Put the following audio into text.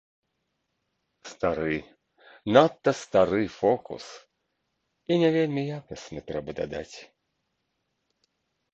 Стары, надта стары фокус, і не вельмі якасны, трэба дадаць.